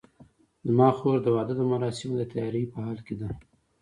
زما خور د واده د مراسمو د تیارۍ په حال کې ده